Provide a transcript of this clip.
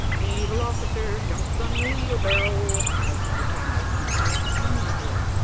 "Naval officer, drunk on a wheelbarrow," was the reply, in a loud singing voice.